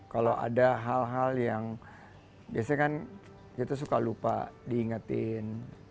kalau ada hal hal yang biasanya kan kita suka lupa diingetin